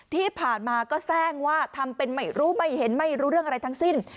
ที่ผ่านมาก็แทร่งว่าทำเป็นไม่รู้ไม่เห็นไม่รู้เรื่องอะไรทั้งสิ้น